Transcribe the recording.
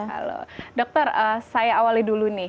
halo dokter saya awali dulu nih